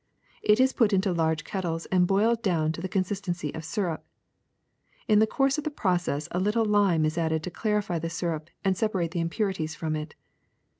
It is put into large kettles and boiled do^\^l to the con sistency of syrup. In the course of the process a lit tle lime is added to clarify the syrup and separate the impurities from it.